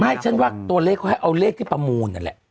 ฉันว่าตัวเลขเขาให้เอาเลขที่ประมูลนั่นแหละ